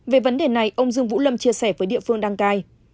về vấn đề này ông dương vũ lâm chia sẻ với địa phương đăng cai